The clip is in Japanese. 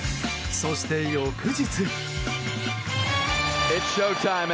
そして、翌日。